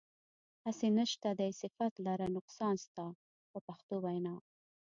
هسې نشته دی صفت لره نقصان ستا په پښتو وینا.